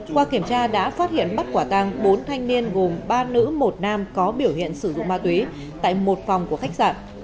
qua kiểm tra đã phát hiện bắt quả tăng bốn thanh niên gồm ba nữ một nam có biểu hiện sử dụng ma túy tại một phòng của khách sạn